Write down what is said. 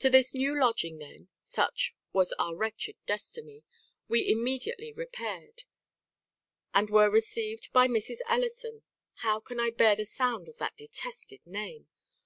To this new lodging then (such was our wretched destiny) we immediately repaired, and were received by Mrs. Ellison (how can I bear the sound of that detested name?)